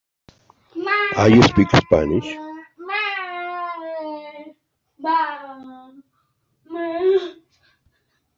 Se le otorgó su maestría en Bellas Artes en la Universidad de Missouri-Kansas City.